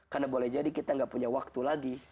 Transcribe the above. karena boleh jadi kita gak punya waktu lagi